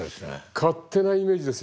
勝手なイメージですよ。